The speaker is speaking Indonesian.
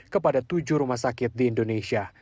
kepada tujuh rumah sakit di indonesia